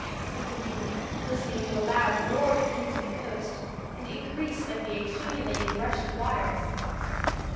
he continued, listening to a loud roar that came from the coast, and increased like the accumulating rush of waters.